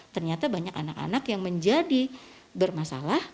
ternyata banyak anak anak yang menjadi bermasalah